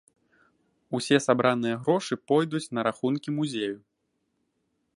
Усе сабраныя грошы пойдуць на рахункі музею.